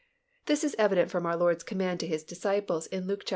This is evident from our Lord's command to His disciples in Luke xxiv.